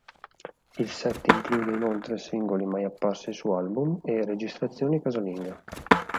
Il set include inoltre singoli mai apparsi su album e registrazioni casalinghe.